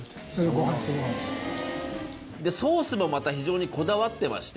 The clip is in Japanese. ソースもまた非常にこだわってまして。